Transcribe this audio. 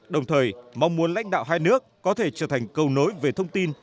đồng thời mong muốn lãnh đạo hai nước có thể trở thành câu nối về thông tin